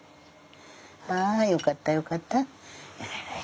はいよかったよかった。